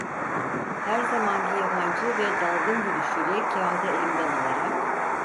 Her zamanki yabancı ve dalgın gülüşüyle kâğıdı elimden alarak…